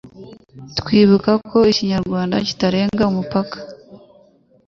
Twibuka ko ikinyrwanda kitarenga umupaka.